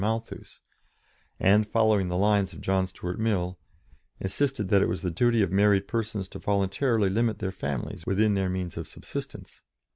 Malthus, and following the lines of John Stuart Mill insisted that it was the duty of married persons to voluntarily limit their families within their means of subsistence.